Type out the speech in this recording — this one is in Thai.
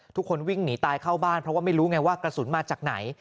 ทุกคนวิ่งหนีตายเข้าบ้านเพราะว่าไม่รู้ไงว่ากระสุนมาจากไหน